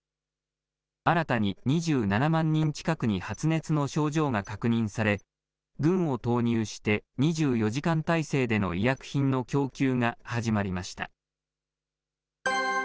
新たに２７万人近くに発熱の症状が確認され、軍を投入して、２４時間態勢での医薬品の供給が始まりました。